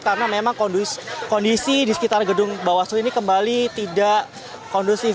karena memang kondisi di sekitar gedung bawah situ ini kembali tidak kondusif